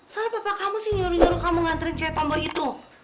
salah papa kamu sih nyuruh nyuruh kamu nganterin cewek tombo itu